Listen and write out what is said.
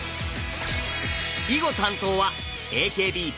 囲碁担当はＡＫＢ４８。